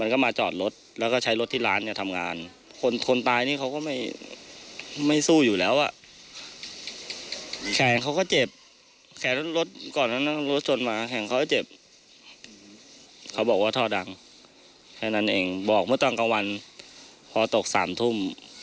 แค่นั้นเองบอกเมื่อตอนกลางวันพอตกสามทุ่ม